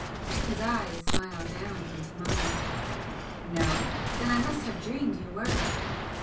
His eyes smiled down into mine. "No? Then I must have dreamed you were!"